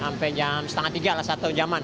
sampai jam setengah tiga lah satu jaman